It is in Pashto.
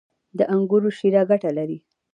• د انګورو شیره ګټه لري.